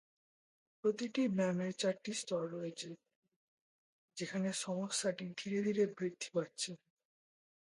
প্রতিটি ব্যায়ামের চারটি স্তর রয়েছে, যেখানে সমস্যাটি ধীরে ধীরে বৃদ্ধি পাচ্ছে।